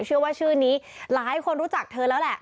เชื่อว่าชื่อนี้หลายคนรู้จักเธอแล้วแหละ